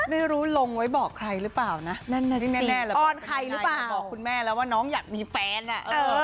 ไม่รู้ลงไว้บอกใครหรือเปล่านะนี่แน่แล้วบอกคุณแม่แล้วว่าน้องอยากมีแฟนอะ